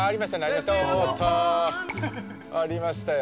ありましたよ。